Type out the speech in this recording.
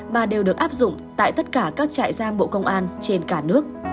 mà đều được áp dụng tại tất cả các trại giam bộ công an trên cả nước